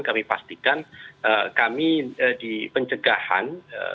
kami pastikan kami di pencegahan